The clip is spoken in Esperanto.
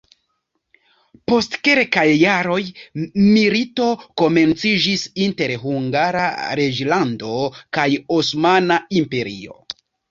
Post kelkaj jaroj milito komenciĝis inter Hungara reĝlando kaj Osmana Imperio.